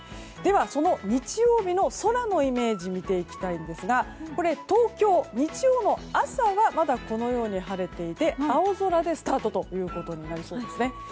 では、その日曜日の空のイメージ見ていきたいんですが東京、日曜の朝はまだ晴れていて青空でスタートとなりそうですね。